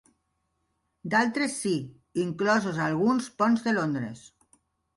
D'altres sí, inclosos alguns ponts de Londres.